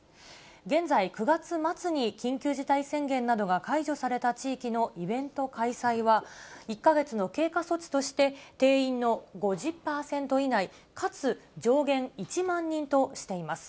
現在９月末に緊急事態宣言などが解除された地域のイベント開催は、１か月の経過措置として、定員の５０％以内、かつ上限１万人としています。